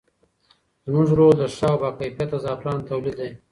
زموږ رول د ښه او باکیفیته زعفرانو تولید دی.